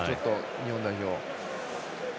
日本代表。